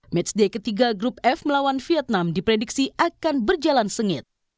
match day ketiga group f melawan vietnam diprediksi akan berjalan sengit